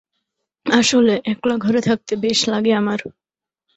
আসলে, একলা ঘরে থাকতে বেশ লাগে আমার।